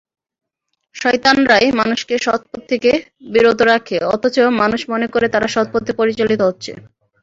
শয়তানরাই মানুষকে সৎপথ থেকে বিরত রাখে অথচ মানুষ মনে করে তারা সৎপথে পরিচালিত হচ্ছে।